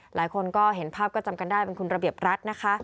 หลายคนก็เห็นภาพก็จำกันได้เป็นคุณระเบียบรัฐนะคะ